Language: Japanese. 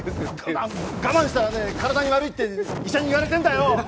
我慢したらね、体に悪いって、医者に言われてんだよ！